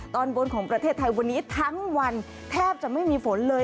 ตอนบนของประเทศไทยวันนี้ทั้งวันแทบจะไม่มีฝนเลย